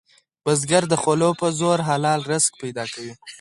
بزګر د خولو په زور حلال رزق پیدا کوي